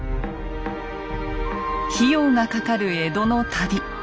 費用がかかる江戸の旅。